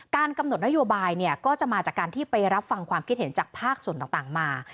กำหนดนโยบายเนี่ยก็จะมาจากการที่ไปรับฟังความคิดเห็นจากภาคส่วนต่างมา